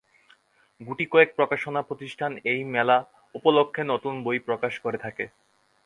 গুটিকয়েক প্রকাশনা প্রতিষ্ঠান এই মেলা উপলক্ষে নতুন বই প্রকাশ করে থাকে।